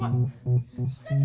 aduh takut banget